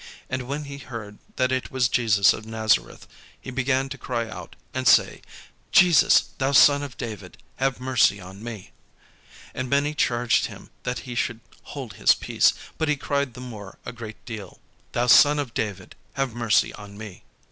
And when he heard that it was Jesus of Nazareth, he began to cry out, and say, "Jesus, thou son of David, have mercy on me." And many charged him that he should hold his peace: but he cried the more a great deal, "Thou son of David, have mercy on me."